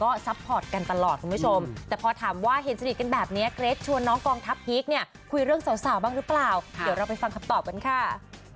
เอาล่ะถ้าเห็นสนิทกันแบบนี้เกรทชวนน้องกองทัพภิกเนี่ยคุยเรื่องสาวบ้างหรือเปล่าเดี๋ยวเราไปฟังคำตอบกันค่ะ